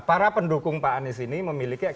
para pendukung pak anies ini memiliki